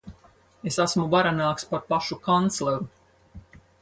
Es esmu varenāks par pašu kancleru.